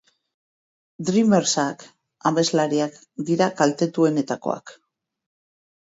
Dreamers-ak, ameslariak, dira kaltetuenetakoak.